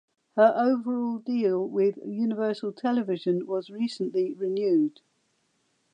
Her overall deal with Universal Television was recently renewed.